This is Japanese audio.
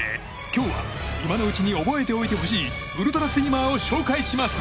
今日は今のうちに覚えておいてほしいウルトラスイマーを紹介します。